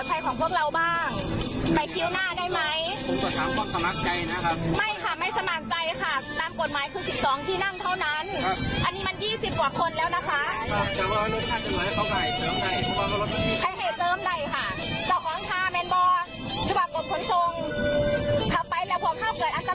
ไปแล้วไปแล้วถ่ายหมูจะทำอย่างไรคะ